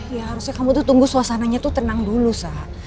ya harusnya kamu tuh tunggu suasananya tuh tenang dulu sah